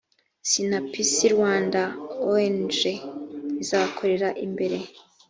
sinapisi rwanda ong izakorera imbere